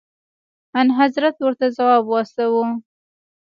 انحضرت ورته ځواب واستوه.